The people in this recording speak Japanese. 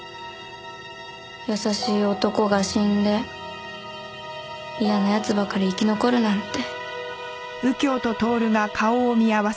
優しい男が死んで嫌な奴ばかり生き残るなんて。